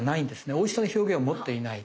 おいしさの表現を持っていない。